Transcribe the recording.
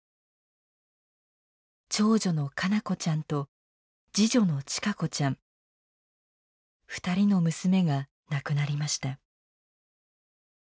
長女の奏子ちゃんと次女の周子ちゃん２人の娘が亡くなりました。